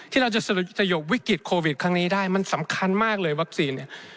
ที่เราจะสยบวิกฤตโควิดครั้งนี้ได้มันสำคัญมากเลยวัคซีนเนี่ย